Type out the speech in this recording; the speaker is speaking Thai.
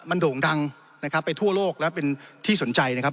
มันโด่งดังนะครับไปทั่วโลกและเป็นที่สนใจนะครับ